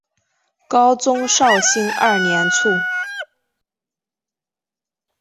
高宗绍兴二年卒。